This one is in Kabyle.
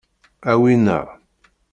A winna!